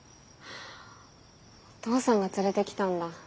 お父さんが連れてきたんだ。